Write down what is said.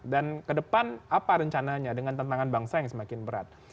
dan ke depan apa rencananya dengan tantangan bangsa yang semakin berat